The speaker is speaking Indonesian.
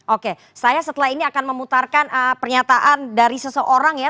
oke saya setelah ini akan memutarkan pernyataan dari seseorang ya